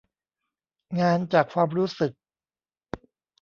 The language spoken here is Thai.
งานจากความรู้สึก